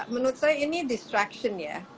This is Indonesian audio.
menurut saya ini disruction ya